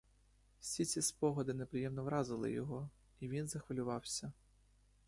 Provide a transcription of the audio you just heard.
Всі ці спогади неприємно вразили його, і він захвилювався.